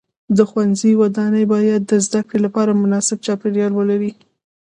د ښوونځي ودانۍ باید د زده کړې لپاره مناسب چاپیریال ولري.